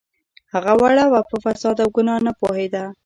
هغه وړه وه په فساد او ګناه نه پوهیده